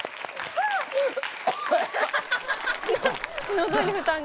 喉に負担が。